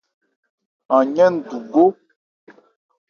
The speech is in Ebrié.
An yɛ́n ndu gó.